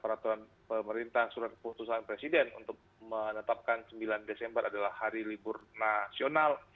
peraturan pemerintah surat keputusan presiden untuk menetapkan sembilan desember adalah hari libur nasional